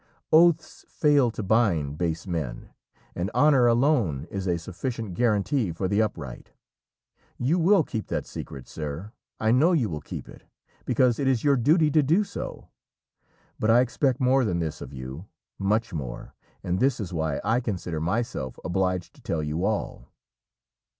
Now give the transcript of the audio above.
Oaths fail to bind base men, and honour alone is a sufficient guarantee for the upright. You will keep that secret, sir, I know you will keep it, because it is your duty to do so. But I expect more than this of you, much more, and this is why I consider myself obliged to tell you all!"